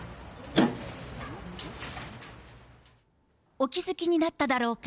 お気付きになっただろうか。